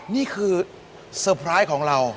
นี่คือเซอร์ไพรส์ของเรา